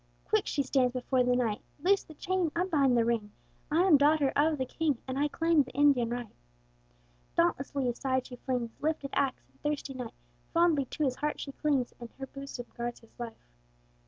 Quick she stands before the knight: "Loose the chain, unbind the ring! I am daughter of the king, And I claim the Indian right!" Dauntlessly aside she flings Lifted axe and thirsty knife, Fondly to his heart she clings, And her bosom guards his life!